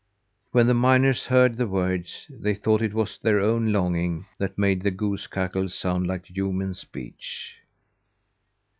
When the miners heard the words, they thought it was their own longing that made the goose cackle sound like human speech.